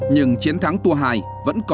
nhưng chiến thắng tua hai